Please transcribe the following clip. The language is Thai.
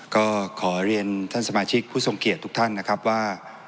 ก็ขอเรียนท่านสมาชิกผู้ทรงเกียจทุกท่านนะครับว่า